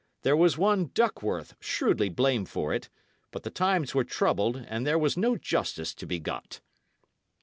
There was one Duckworth shrewdly blamed for it; but the times were troubled, and there was no justice to be got."